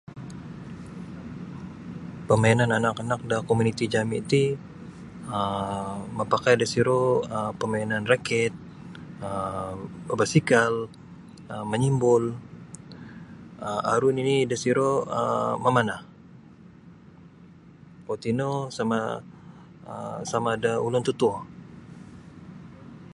Pemainan anak anak da komuniti jami ti um mapakai da siru um pemainan raket um berbasikal um menyimbul um aru nini dasiro um memanah iro tino sama um sama da ulun totuo.